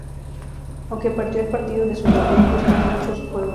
Aunque perdió el partido de su debut, gustó mucho su juego.